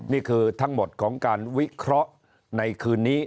นี่คือทั้งหมดของการวิเคราะห์ในคืนนี้